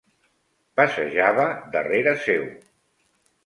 Passejava darrere seu.